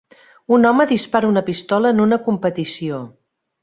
Un home dispara una pistola en una competició.